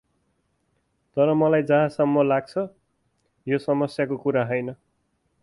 तर मलाई जहाँ सम्म लाग्छ, यो समस्याको कुरा हैन ।